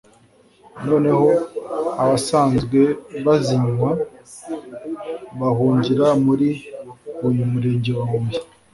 noneho abasanzwe bazinywa bahungira muri uyu murenge wa Huye